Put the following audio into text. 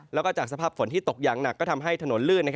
แล้วก็จากสภาพฝนที่ตกอย่างหนักก็ทำให้ถนนลื่น